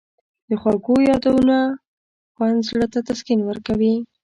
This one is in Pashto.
د خوږو یادونو خوند زړه ته تسکین ورکوي.